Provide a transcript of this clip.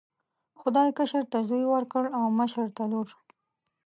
خدای کشر ته زوی ورکړ او مشر ته لور.